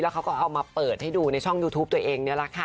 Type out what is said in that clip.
เขาก็เอามาเปิดให้ดูในช่องยูทูปตัวเองนี่แหละค่ะ